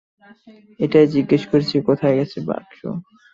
ঐটাই জিজ্ঞেস করছি, কোথায় গেছে বাক্স?